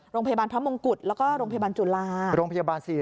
โรงพยาบาลพระมงกุฎเหนือกับโรงพยาบาลจุฬา